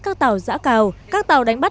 các tàu dã cào các tàu đánh bắt